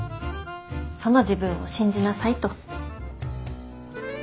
その自分を信じなさいと。